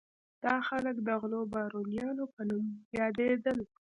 دا خلک د غلو بارونیانو په نوم یادېدل.